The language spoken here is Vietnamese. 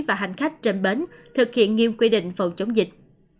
và hành khách trên bến thực hiện nghiêm quy định phòng chống dịch